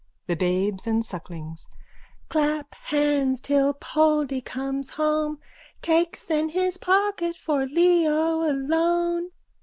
THE BABES AND SUCKLINGS: Clap clap hands till Poldy comes home, Cakes in his pocket for Leo alone.